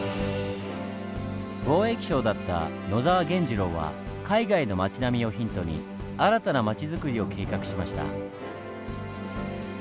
貿易商だった野沢源次郎は海外の町並みをヒントに新たな町づくりを計画しました。